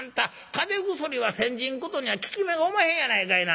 風邪薬は煎じんことには効き目がおまへんやないかいな。